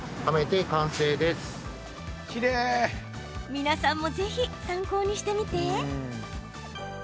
皆さんもぜひ参考にしてみて。